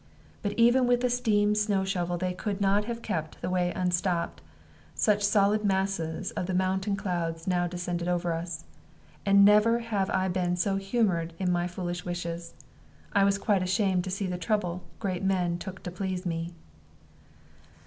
But even with a steam snow shovel they could not have kept the way unstopped, such solid masses of the mountain clouds now descended over us. And never had I been so humored in my foolish wishes: I was quite ashamed to see the trouble great men took to please me.